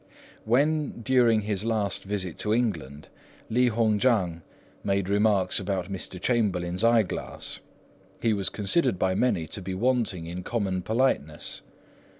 When, during his last visit to England, Li Hung chang made remarks about Mr. Chamberlain's eyeglass, he was considered by many to be wanting in common politeness.